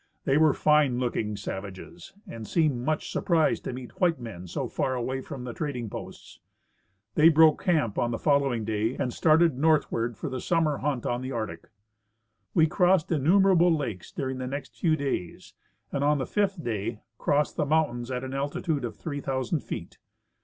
They were fine looking savages and seemed much surprised to meet white men so far away from the trading posts. They broke camp on the following day and started nortliAvard for the summer hunt on the Arctic. We crossed innumerable lakes during the next few days, and on the fifth day crossed the mountains at an altitude of 3,00C feet.